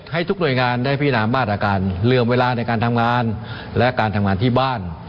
ให้ทุกหน่วยงานได้พินามาตรการเหลื่อมเวลาในการทำงานและการทำงานที่บ้าน